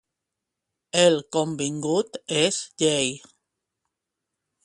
El convingut és llei.